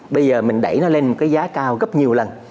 bây giờ mình đẩy nó lên một cái giá cao gấp nhiều lần